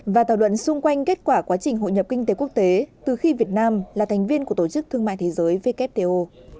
và thảo luận xung quanh kết quả quá trình hội nhập kinh tế quốc tế từ khi việt nam là thành viên của tổ chức thương mại thế giới wto